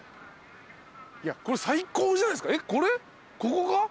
いやこれ最高じゃないっすか。